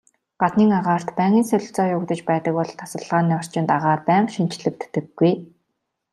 Гаднын агаарт байнгын солилцоо явагдаж байдаг бол тасалгааны орчинд агаар байнга шинэчлэгддэггүй.